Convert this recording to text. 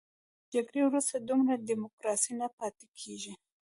تر جګړې وروسته دومره ډیموکراسي نه پاتې کېږي.